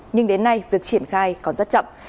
nhưng đến nay việc triển khai còn rất chậm